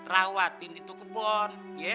rawatin itu kebon